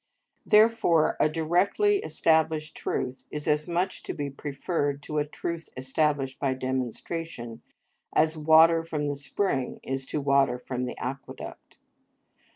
Therefore a directly established truth is as much to be preferred to a truth established by demonstration as water from the spring is to water from the aqueduct.